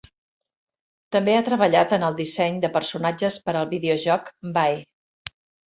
També ha treballat en el disseny de personatges per al videojoc, Vay.